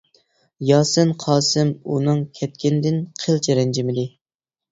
ياسىن قاسىم ئۇنىڭ كەتكىنىدىن قىلچە رەنجىمىدى.